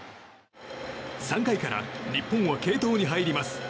３回から日本は継投に入ります。